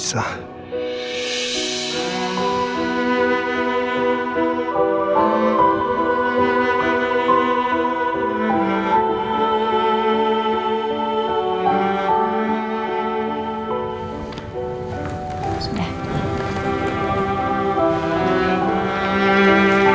sekali lagi ya pak